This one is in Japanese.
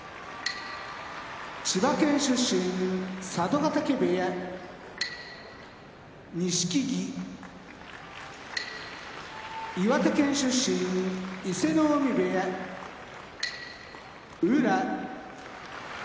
千葉県出身佐渡ヶ嶽部屋錦木岩手県出身伊勢ノ海部屋宇良